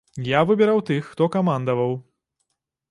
Я выбіраў тых, хто камандаваў.